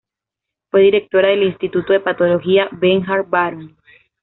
Fue directora del Instituto de Patología Bernhard Baron.